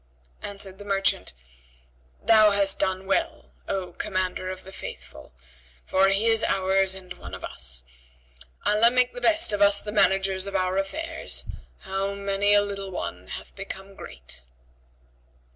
Answered the merchant, "Thou hast done well, O Commander of the Faithful, for he is ours and one of us. Allah make the best of us the managers of our affairs! How many a little one hath become great!"